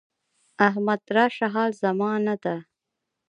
احمد راشه حال زمانه ده.